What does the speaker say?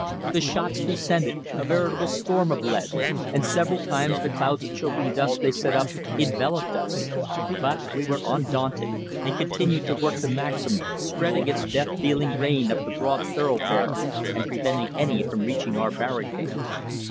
The shots descended, a veritable storm of lead, and several times the clouds of choking dust they set up enveloped us; but we were undaunted, and continued to work the Maxim, spreading its death dealing rain up the broad thoroughfare and preventing any from reaching our barricade.